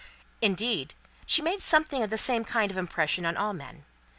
Indeed, she made something of the same kind of impression on all men.